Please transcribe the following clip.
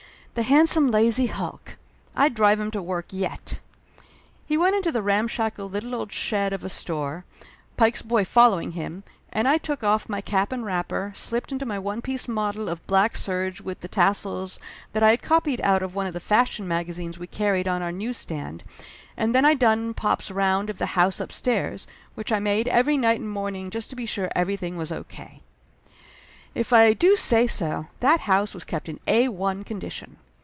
The handsome, lazy hulk! I'd drive him to work yet! He went into the ramshackle little old shed of a store, Pike's boy following him, and I took off my cap and wrapper, slipped into my one piece model of 42 Laughter Limited black serge with the tassels that I had copied out of one of the fashion magazines we carried on our news stand, and then I done pop's round of the house up stairs, which I made every night and morning just to be sure everything was O.K. If I do say so, that house was kept in Ai condition.